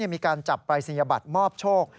มีการจับปรายศนียบัตรมอบโชค